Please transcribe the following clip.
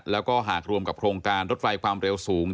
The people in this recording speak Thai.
แล้วก็หากรวมกับโครงการรถไฟความเร็วสูง